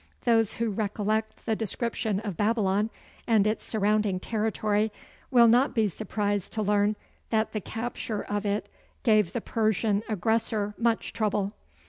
Those who recollect the description of Babylon and its surrounding territory, will not be surprised to learn that the capture of it gave the Persian aggressor much trouble.